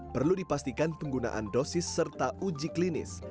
perlu dipastikan penggunaan dosis serta uji klinis